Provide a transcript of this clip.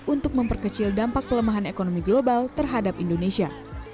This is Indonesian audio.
untuk memperkecil dampak pelemahan ekonomi global terhadap indonesia